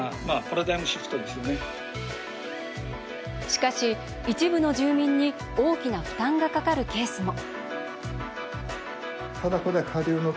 しかし、一部の住民に大きな負担がかかるケースも。